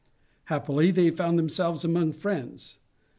Happily they found themselves among friends.